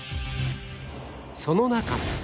その中に